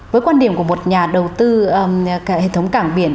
với quan điểm của một nhà đầu tư hệ thống cảng biển